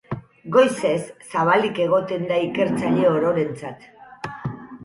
Goizez zabalik egoten da ikertzaile ororentzat.